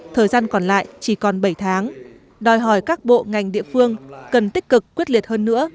thời gian còn lại chỉ còn bảy tháng đòi hỏi các bộ ngành địa phương cần tích cực quyết liệt hơn nữa